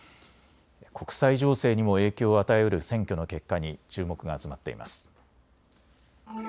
国際情勢にも影響を与えうる選挙の結果に注目が集まっています。